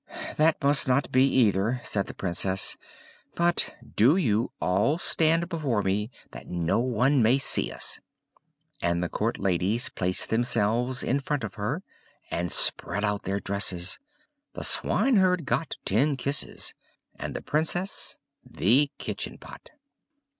"That must not be, either!" said the Princess. "But do you all stand before me that no one may see us." And the court ladies placed themselves in front of her, and spread out their dresses the swineherd got ten kisses, and the Princess the kitchen pot.